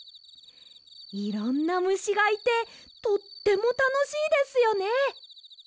いろんなむしがいてとってもたのしいですよね。